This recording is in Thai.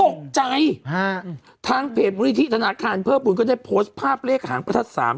ตกใจฮะทางเพจมูลนิธิธนาคารเพิ่มบุญก็ได้โพสต์ภาพเลขหางประทัดสาม